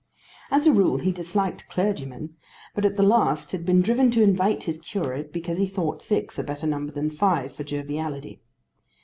As a rule he disliked clergymen, but at the last had been driven to invite his curate because he thought six a better number than five for joviality.